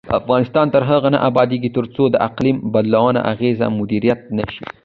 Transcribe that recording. افغانستان تر هغو نه ابادیږي، ترڅو د اقلیم بدلون اغیزې مدیریت نشي.